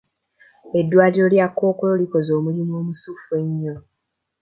Eddwaliro lya kkookolo likoze omulimu omusufu ennyo.